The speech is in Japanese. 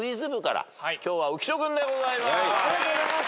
ありがとうございます。